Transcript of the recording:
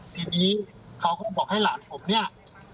ทีนี้เขาก็บอกให้หลานผมเนี่ย